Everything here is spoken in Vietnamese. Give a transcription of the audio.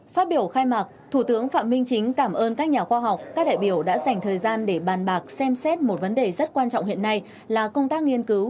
phát biểu khai mạc thủ tướng phạm minh chính cảm ơn các nhà khoa học các đại biểu đã dành thời gian để bàn bạc xem xét một vấn đề rất quan trọng hiện nay là công tác nghiên cứu